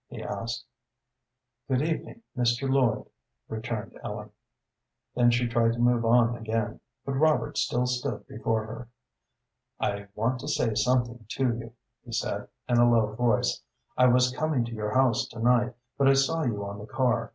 he asked. "Good evening, Mr. Lloyd," returned Ellen. Then she tried to move on again, but Robert still stood before her. "I want to say something to you," he said, in a low voice. "I was coming to your house to night, but I saw you on the car.